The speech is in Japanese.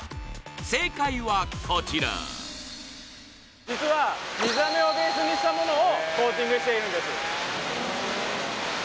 正解はこちら実は水あめをベースにしたものをコーティングしているんです